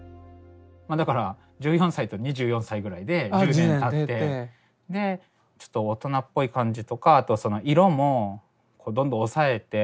まあだから１４歳と２４歳ぐらいで１０年たってちょっと大人っぽい感じとかあとはその色もどんどん抑えて。